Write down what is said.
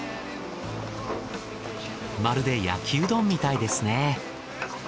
まるで焼きうどんみたいですね。